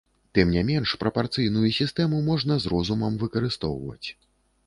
Тым не менш прапарцыйную сістэму можна з розумам выкарыстоўваць.